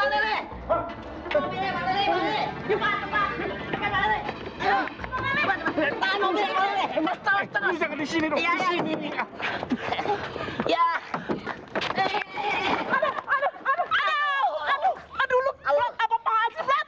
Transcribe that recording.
aduh lu apa apaan sih brot